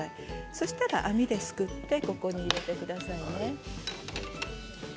そうしたら網ですくって、ここに入れてくださいね。